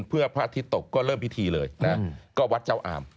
เพื่อพระอาทิตย์ตกก็เริ่มพิธีเลยนะก็วัดเจ้าอาม